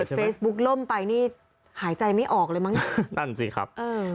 นี่ถ้าเกิดเฟซบุ๊คล่มไปนี่หายใจไม่ออกเลยมั้งนั่นสิครับ